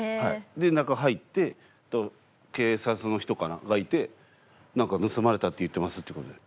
で中入って警察の人かなんかがいて「なんか盗まれたって言ってます」って事で。